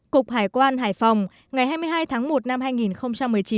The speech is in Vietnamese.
cục hải quan hải phòng ngày hai mươi hai tháng một năm hai nghìn một mươi chín